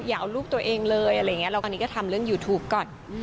อยากเอาลูกตัวเองเลยอะไรอย่างนี้แล้วตอนนี้ก็ทำเรื่องยูทูปก่อน